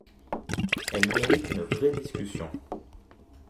Elle mérite une vraie discussion.